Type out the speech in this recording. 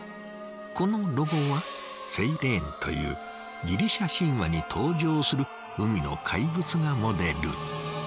このロゴはセイレーンというギリシャ神話に登場する海の怪物がモデル。